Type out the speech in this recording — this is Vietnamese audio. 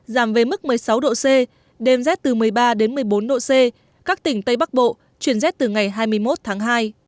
cao nhất tại hà nội ban ngày giảm về mức một mươi sáu độ c đêm rét từ một mươi ba một mươi bốn độ c các tỉnh tây bắc bộ chuyển rét từ ngày hai mươi một tháng hai